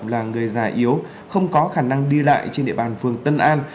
là người già yếu không có khả năng đi lại trên địa bàn phường tân an